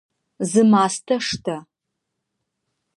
Зы мастэ штэ!